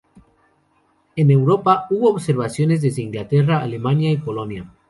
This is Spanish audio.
En Europa, hubo observaciones desde Inglaterra, Alemania y Polonia.